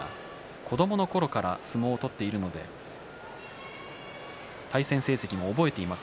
子どものころから相撲を取っているので対戦成績も覚えています。